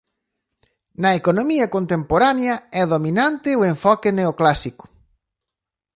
Na economía contemporánea é dominante o enfoque neoclásico.